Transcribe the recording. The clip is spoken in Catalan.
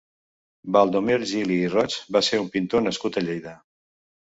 Baldomer Gili i Roig va ser un pintor nascut a Lleida.